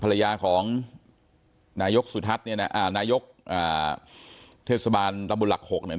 ภรรยาของนายกสุทัศน์เนี่ยนะอ่านายกอ่าเทศบาลตำบลหลัก๖เนี่ย